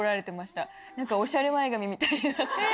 何かおしゃれ前髪みたいな。